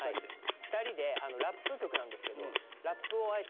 ２人でラップ曲なんですけどあいいね。